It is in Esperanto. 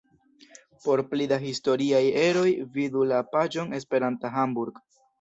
Por pli da historiaj eroj vidu la paĝon Esperanto-Hamburg.